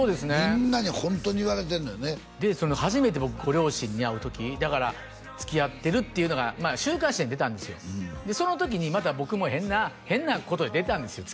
みんなにホントに言われてんのよねで初めて僕ご両親に会う時だから付き合ってるっていうのが週刊誌に出たんですよでその時にまた僕も変なことで出たんですよ